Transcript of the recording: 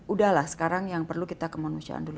udahlah sekarang yang perlu kita kemanusiaan dulu